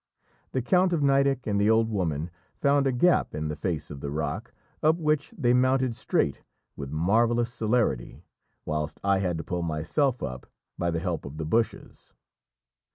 The Count of Nideck and the old woman found a gap in the face of the rock, up which they mounted straight with marvellous celerity, whilst I had to pull myself up by the help of the bushes.